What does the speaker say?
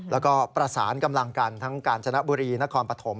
แล้วก็ประสานกำลังกันทั้งกาญจนบุรีนครปฐม